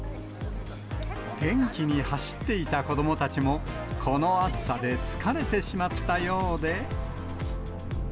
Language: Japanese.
元気に走っていた子どもたちも、この暑さで疲れてしまったようで。